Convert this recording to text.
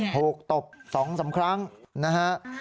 ถูกตบ๒สำครั้งนะฮะ